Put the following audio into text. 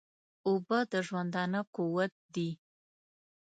اوبه د ژوندانه قوت دي